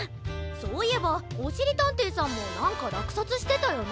そういえばおしりたんていさんもなんからくさつしてたよな。